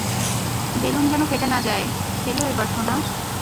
Balloon যেন ফেটে না যায়, খেলো এবার সোনা।